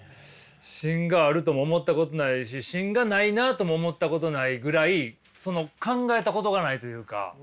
芯があるとも思ったことないし芯がないなとも思ったことないぐらいその考えたことがないというか。